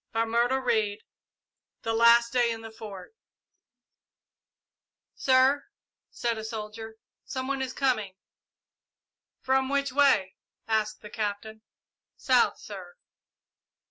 CHAPTER XXI THE LAST DAY IN THE FORT "Sir," said a soldier; "some one is coming!" "From which way?" asked the Captain. "South, sir."